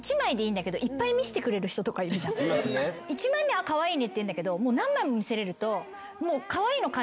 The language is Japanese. １枚目はカワイイねって言うんだけど何枚も見せられると。